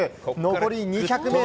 残り２００ｍ。